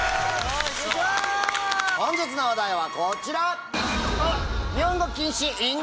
本日のお題はこちら！